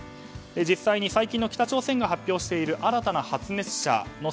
実際に最近の北朝鮮が発表している新たな発熱者の